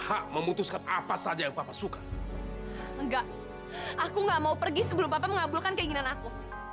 aku gak mau pergi sebelum papa mengabulkan keinginan aku